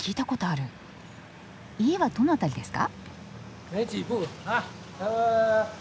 家はどの辺りですか？